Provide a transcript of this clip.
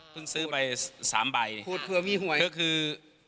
เพิ่งซื้อไป๓ใบเพื่อมีหวยคือคือ๗